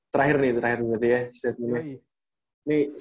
terakhir nih terakhir berarti ya statementnya